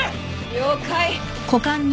了解。